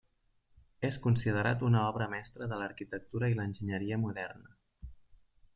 És considerat una obra mestra de l'arquitectura i l'enginyeria moderna.